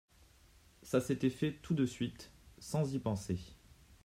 Ça s'était fait tout de suite, sans y penser.